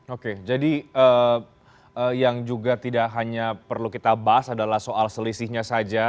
oke jadi yang juga tidak hanya perlu kita bahas adalah soal selisihnya saja